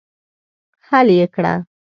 حل یې کړه.